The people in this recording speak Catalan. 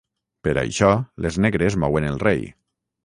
Per això, les negres mouen el rei.